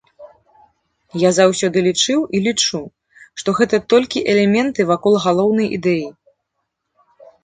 Я заўсёды лічыў і лічу, што гэта толькі элементы вакол галоўнай ідэі.